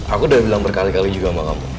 aku udah bilang berkali kali juga sama kampung